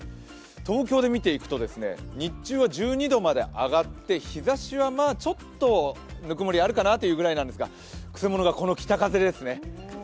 東京で見ていくと、日中は１２度まで上がって日ざしはちょっとぬくもりあるかなというくらいなんですが、くせ者がこの北風ですね。